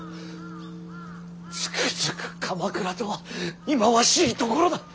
つくづく鎌倉とは忌まわしい所だ。